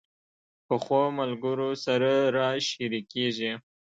پخو ملګرو سره راز شریکېږي